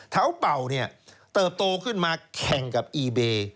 เป่าเนี่ยเติบโตขึ้นมาแข่งกับอีเบย์